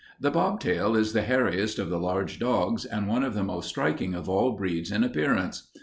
The bob tail is the hairiest of the large dogs and one of the most striking of all breeds in appearance.